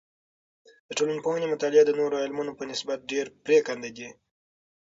د ټولنپوهنې مطالعې د نورو علمونو په نسبت ډیر پریکنده دی.